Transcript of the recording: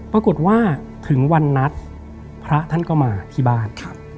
ปรากฏว่าถึงวันนัดพระท่านก็มาที่บ้าน